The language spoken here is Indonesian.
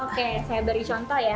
oke saya beri contoh ya